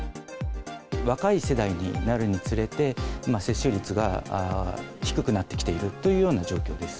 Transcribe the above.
若い世代になるにつれて、接種率が低くなってきているというような状況です。